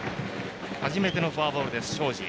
初めてのフォアボールです、庄司。